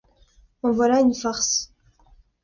En voilà une farce!